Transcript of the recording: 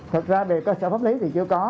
thật ra về cơ sở pháp lý thì chưa có